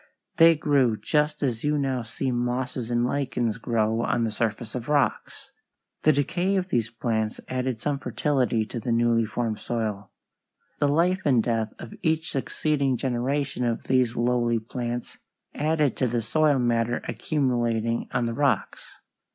They grew just as you now see mosses and lichens grow on the surface of rocks. The decay of these plants added some fertility to the newly formed soil. The life and death of each succeeding generation of these lowly plants added to the soil matter accumulating on the rocks.